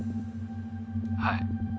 はい。